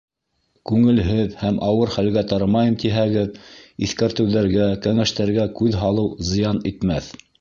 Күңелһеҙ һәм ауыр хәлгә тарымайым тиһәгеҙ, иҫкәртеүҙәргә, кәңәштәргә күҙ һалыу зыян итмәҫ.